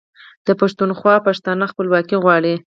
د پښتونخوا پښتانه خپلواکي غواړي.